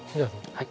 はい。